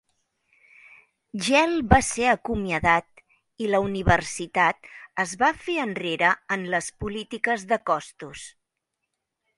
Gell va ser acomiadat i la universitat es va fer enrere en les polítiques de costos.